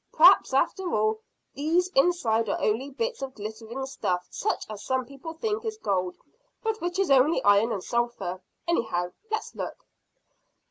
P'r'aps, after all, these inside are only bits of glittering stuff such as some people think is gold, but which is only iron and sulphur. Anyhow, let's look."